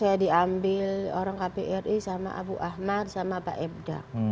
saya diambil orang kbri sama abu ahmad sama pak ebda